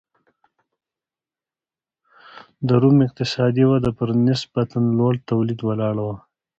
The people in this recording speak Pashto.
د روم اقتصادي وده پر نسبتا لوړ تولید ولاړه وه.